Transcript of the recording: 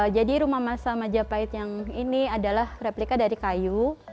rumah masa majapahit yang ini adalah replika dari kayu